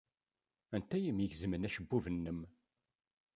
Anta ay am-igezmen acebbub-nnem?